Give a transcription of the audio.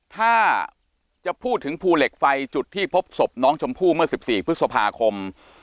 ถ้าจะพูดถึงภูเหล็กไฟจุดที่พบศพน้องชมพู่เมื่อ๑๔พฤษภาคม